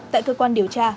tại cơ quan điều tra